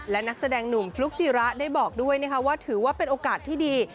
และนักแสดงหนุ่มฟลุ๊กจิระได้บอกด้วยนะคะว่าถือว่าเป็นโอกาสที่ดี